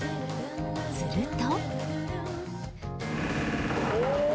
すると。